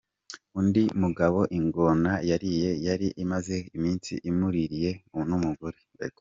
Undi mugabo ingona yariye, yari imaze iminsi imuririye n’umugore.